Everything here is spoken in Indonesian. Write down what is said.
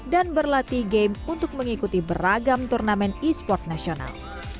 dan berlatih game untuk mengikuti beragam turnamen esports nasional